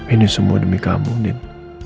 ini semua demi kamu nih